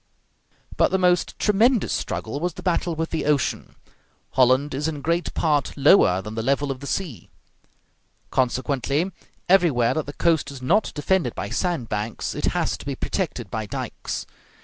But the most tremendous struggle was the battle with the ocean. Holland is in great part lower than the level of the sea; consequently, everywhere that the coast is not defended by sand banks it has to be protected by dikes.